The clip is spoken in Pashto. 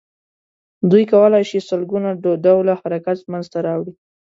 دوی کولای شي سل ګونه ډوله حرکت منځ ته راوړي.